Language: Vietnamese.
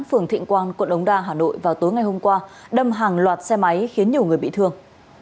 phường thịnh quang quận đống đa hà nội vào tối ngày hôm qua đâm hàng loạt xe máy khiến nhiều người bị thương